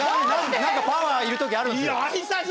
何かパワーいる時あるんですよ。